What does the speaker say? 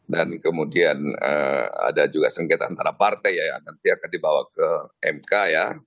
dan kemudian ada juga sengketa antara partai yang nanti akan dibawa ke mk ya